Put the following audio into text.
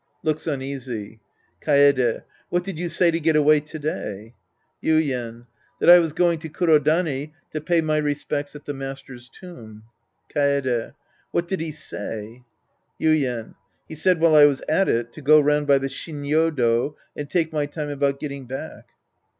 {Looks uneasy^ Kaede. What did you say to get away to day ? Yuien. That I was going to Kurodani to pay my respects at the Master's tomb. Kaede. What did he say ?' Yuien. He said while I was at it to go round by the Shinnyodo and take my time about getting back.